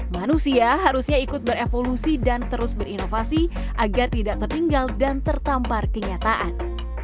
manusia harusnya ikut berevolusi dan terus berinovasi agar tidak tertinggal dan tertampar kenyataan